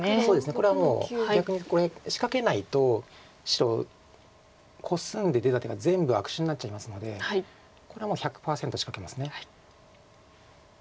これはもう逆にここに仕掛けないと白コスんで出た手が全部悪手になっちゃいますのでこれはもう１００％仕掛けます。